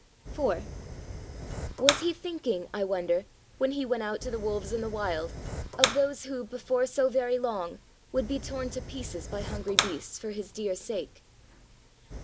IV Was He thinking, I wonder, when He went out to the wolves in the Wild of those who, before so very long, would be torn to pieces by hungry beasts for His dear sake?